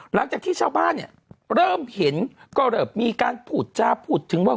หลังจากที่ชาวบ้านเนี่ยเริ่มเห็นก็เริ่มมีการพูดจาพูดถึงว่า